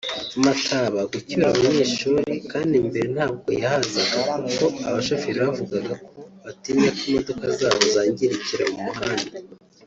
Mataba gucyura abanyeshuri kandi mbere ntabwo yahazaga kuko abashoferi bavugaga ko batinya ko imodoka zabo zangirikira mu muhanda